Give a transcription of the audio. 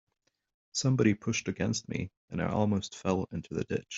Somebody pushed against me, and I almost fell into the ditch.